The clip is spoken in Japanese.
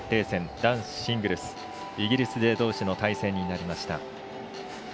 男子シングルスイギリス勢どうしの対戦となりました。